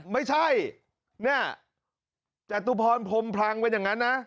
ไม่ใช่เนี่ยจตุพรพรมพลังเป็นอย่างนั้นนะ